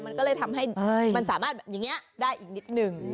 มันก็เลยทำให้มันสามารถอย่างนี้ได้อีกนิดนึง